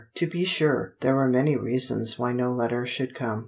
To be sure, there were many reasons why no letter should come.